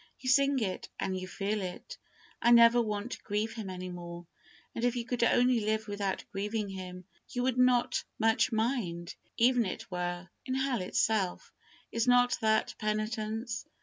You sing it, and you feel it. "I never want to grieve Him any more;" and if you could only live without grieving Him, you would not much mind, even if it were in hell itself. Is not that penitence?